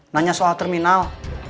nanya soal terminal